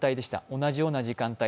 同じような時間帯。